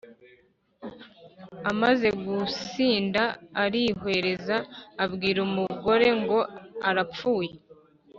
Amaze gusinda, arihwereza, abwira umugore ngo arapfuye,